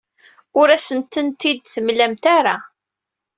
Ur asent-tent-id-mlant ara.